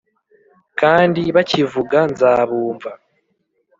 Kandi bakivuga nzabumva